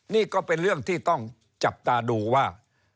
นี่ก็เป็นเรื่องที่ต้องจับตาดูว่า